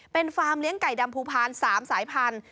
เป็นฟาร์มเลี้ยงไก่ดำภูพาล๓สายพันธุ